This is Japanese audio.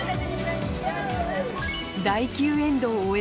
・第９エンドを終え